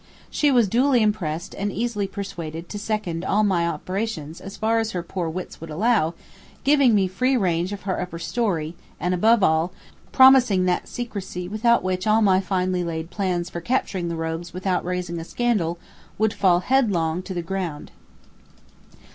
She was duly impressed and easily persuaded to second all my operations as far as her poor wits would allow, giving me free range of her upper story, and above all, promising that secrecy without which all my finely laid plans for capturing the rogues without raising a scandal, would fall headlong to the ground.